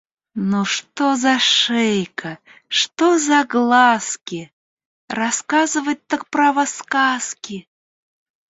Ну что за шейка, что за глазки! Рассказывать, так, право, сказки!